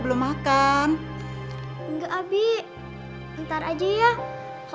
terima kasih ba coming after school